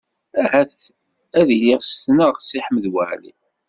Ahat ad iliɣ ssneɣ Si Ḥmed Waɛli.